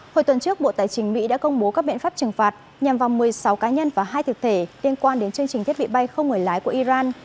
hồi tuần trước bộ tài chính mỹ đã công bố các biện pháp trừng phạt nhằm vào một mươi sáu cá nhân và hai thực thể liên quan đến chương trình thiết bị bay không người lái của iran